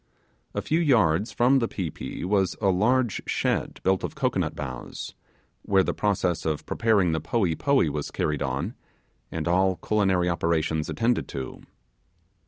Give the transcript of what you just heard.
A few yards from the pi pi was a large shed built of cocoanut boughs, where the process of preparing the 'poee poee' was carried on, and all culinary operations attended to.